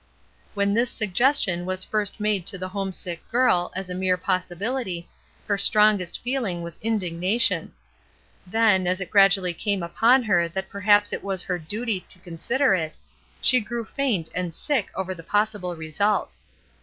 '' When this suggestion was first made to the homesick girl, as a mere possibility, her strong est feeling was indignation. Then, as it gradu ally came upon her that perhaps it was her duty to consider it, she grew faint and sick over the possible result.